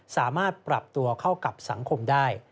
สามารถปรับตัวเข้ากับสังคมได้